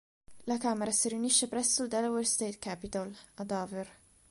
La Camera si riunisce presso il Delaware State Capitol, a Dover.